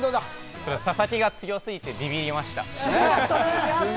佐々木が強すぎてびびりました。